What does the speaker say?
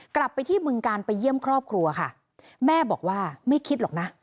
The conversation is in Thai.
กลับไปที่บึงการไปเยี่ยมครอบครัวค่ะแม่บอกว่าไม่คิดหรอกนะ